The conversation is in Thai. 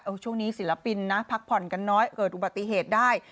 ช่วงนี้ศิลปินนะพักผ่อนกันน้อยเกิดอุบัติเหตุได้